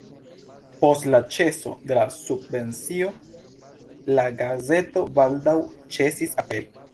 Post la ĉeso de la subvencio la gazeto baldaŭ ĉesis aperi.